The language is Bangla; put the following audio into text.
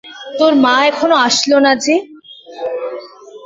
তোর মা এখনো আসলো না যে?